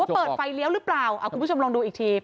เปิดไฟเลี้ยวหรือเปล่าคุณผู้ชมลองดูอีกที